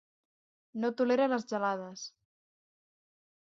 No tolera les gelades.